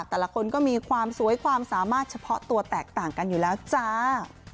แต่ละคนก็มีความสวยความสามารถเฉพาะตัวแตกต่างกันอยู่แล้วจ้า